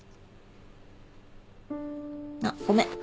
あっごめん。